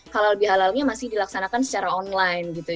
halal bihalalnya masih dilaksanakan secara online gitu